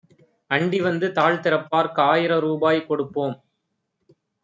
அண்டிவந்து தாழ்திறப்பார்க் காயிரரூ பாய்கொடுப்போம்.